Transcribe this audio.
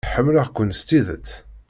Ḥemmleɣ-ken s tidet.